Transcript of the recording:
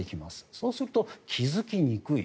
そうすると、気付きにくい。